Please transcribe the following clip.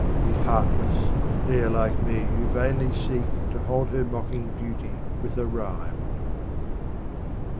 Be heartless, ere like me you vainly seek To hold her mocking beauty with a rhyme.